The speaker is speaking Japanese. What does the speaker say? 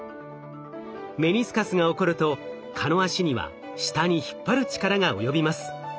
メニスカスが起こると蚊の脚には下に引っ張る力が及びます。